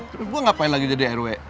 terus gua ngapain lagi jadi airway